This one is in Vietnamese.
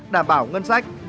đảm bảo ngân sách